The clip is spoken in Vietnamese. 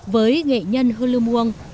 với nghệ nhân lưu muồng